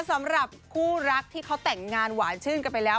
สำหรับคู่รักที่เขาแต่งงานหวานชื่นกันไปแล้ว